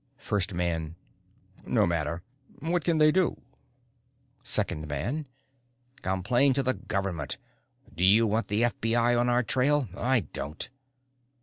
First man: " no matter. What can they do?" Second man: "Complain to the government. Do you want the FBI on our trail? I don't."